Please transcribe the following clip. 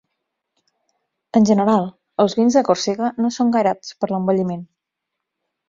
En general, els vins de Còrsega no són gaire aptes per l'envelliment.